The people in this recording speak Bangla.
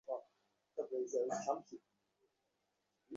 কিন্তু এই প্রেমকাহিনী আমাকে শেষ করে দিচ্ছিল।